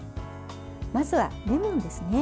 まずはレモンですね。